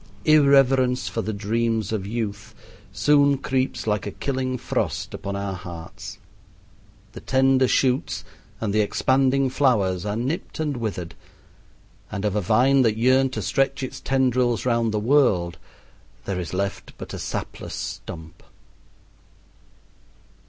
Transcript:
"Irreverence for the dreams of youth" soon creeps like a killing frost upon our hearts. The tender shoots and the expanding flowers are nipped and withered, and of a vine that yearned to stretch its tendrils round the world there is left but a sapless stump.